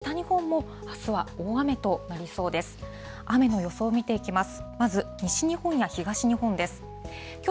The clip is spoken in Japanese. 雨の予想を見ていきます。